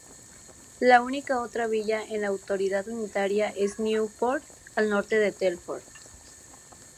La única otra villa en la autoridad unitaria es Newport, al norte de Telford.